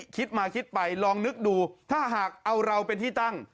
คิดมาคิดไปลองนึกดูถ้าหากเอาเราเป็นที่ตั้ง